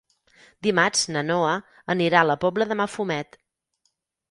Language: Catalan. Dimarts na Noa anirà a la Pobla de Mafumet.